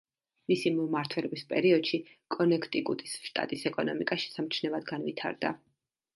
მისი მმართველობის პერიოდში კონექტიკუტის შტატის ეკონომიკა შესამჩნევად განვითარდა.